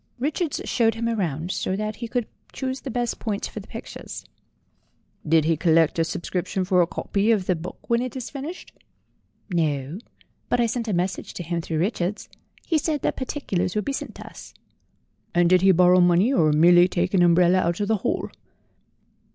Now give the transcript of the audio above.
Richards showed him round, so that he could choose the best points for the pictures." "Did he collect a subscription for a copy of the book when it is finished ?" "No, but I sent a message to him through Richards, and he said that particulars would be sent us." "And did he borrow money or merely take an umbrella out of the hall?"